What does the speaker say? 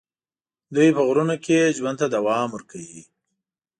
دوی په غرونو کې ژوند ته دوام ورکوي.